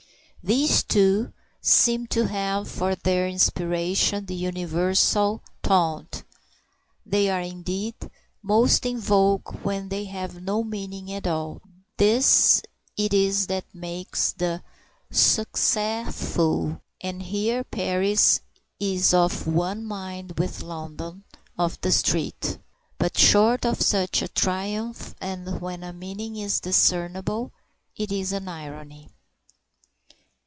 These, too, seem to have for their inspiration the universal taunt. They are, indeed, most in vogue when they have no meaning at all this it is that makes the succes fou (and here Paris is of one mind with London) of the street; but short of such a triumph, and when a meaning is discernible, it is an irony.